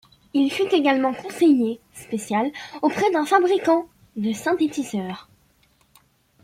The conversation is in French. Il fut également conseiller spécial auprès d'un fabricant de synthétiseurs.